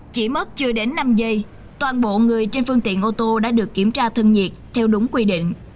chỉ mất chưa đến năm giây toàn bộ người trên phương tiện ô tô đã được kiểm tra thân nhiệt theo đúng quy định